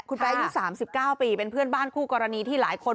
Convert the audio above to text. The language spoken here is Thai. คุณแป๊ยี่สามสิปเก้าปีเป็นเพื่อนบ้านกู้กรณีที่หลายคน